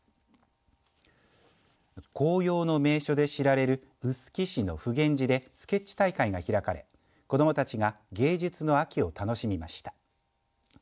紅葉の名所で知られる臼杵市の普現寺でスケッチ大会が開かれ子どもたちが芸術の秋を楽しみました。